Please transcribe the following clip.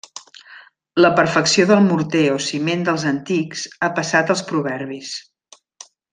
La perfecció del morter o ciment dels antics ha passat als proverbis.